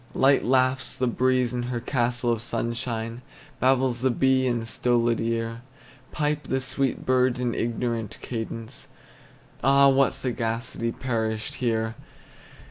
Light laughs the breeze in her castle of sunshine; Babbles the bee in a stolid ear; Pipe the sweet birds in ignorant cadence, Ah, what sagacity perished here!